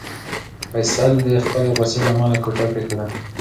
فیصل د خپلې غوسې له امله کوټه پرېښوده.